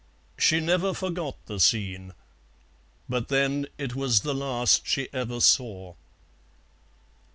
She never forgot the scene; but then, it was the last she ever saw.